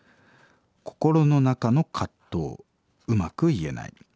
「心の中の葛藤うまく言えない。